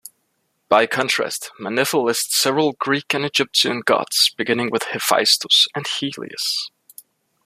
By contrast, Manetho lists several Greek and Egyptian gods beginning with Hephaistos and Helios.